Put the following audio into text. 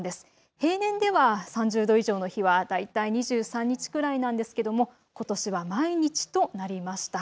平年では３０度以上の日は大体２３日くらいなんですけどもことしは毎日となりました。